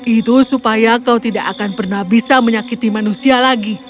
itu supaya kau tidak akan pernah bisa menyakiti manusia lagi